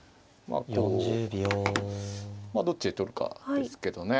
まあどっちで取るかですけどね。